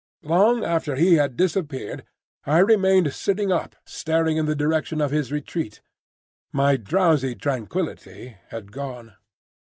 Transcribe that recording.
Long after he had disappeared, I remained sitting up staring in the direction of his retreat. My drowsy tranquillity had gone.